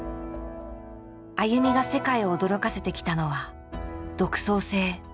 ＡＹＵＭＩが世界を驚かせてきたのは独創性。